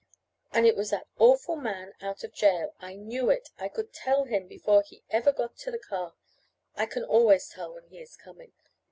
"And it was that awful man out of jail! I knew it! I could tell him before he ever got to the car! I can always tell when he is coming.